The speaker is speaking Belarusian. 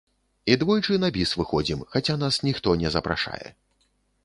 І двойчы на біс выходзім, хаця нас ніхто не запрашае.